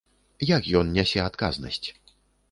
Як ён нясе адказнасць?